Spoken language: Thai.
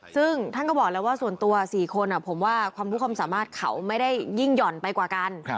ซึ่งท่านก็บอกแล้วว่าส่วนตัว๔คนผมว่าความรู้ความสามารถเขาไม่ได้ยิ่งหย่อนไปกว่ากัน